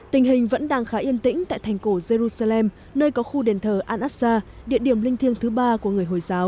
tình hình vẫn đang khá yên tĩnh tại thành cổ jerusalem nơi có khu đền thờ al aqsa địa điểm linh thiêng thứ ba của người hồi giáo